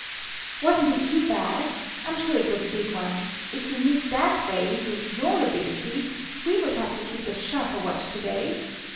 "Wasn't it too bad! I'm sure it was a big one. If you miss that way, with your ability, we would have to keep a sharper watch to day.